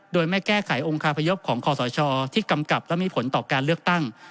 โดยไม่แก้ไของคาพยพของคอสชที่กำกับและมีผลต่อการเลือกตั้ง